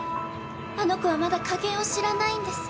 あの子はまだ加減を知らないんです。